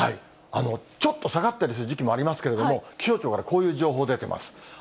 ちょっと下がったりする時期もありますけれども、気象庁からこういう情報出てます。